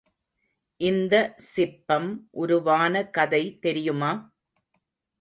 இந்த சிற்பம் உருவான கதை தெரியுமா?